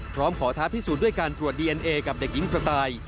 พร้อมขอท้าพิสูจน์ด้วยการตรวจดีเอ็นเอกับเด็กหญิงกระต่าย